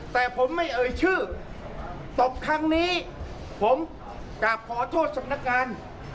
แต่ผมไม่เอ่ยชื่อตบครั้งนี้ผมกลับขอโทษสำนักงาน